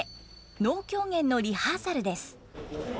能狂言のリハーサルです。